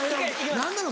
何なの？